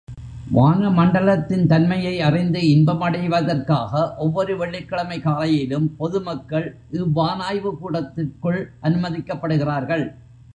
வான மண்டலத்தின் தன்மையை அறிந்து இன்படைவதற்காக ஒவ்வொரு வெள்ளிக்கிழமை காலையிலும் பொதுமக்கள் இவ்வானாய்வுக் கூடத்திற்குள் அனுமதிக்கப்படுகிறார்கள்.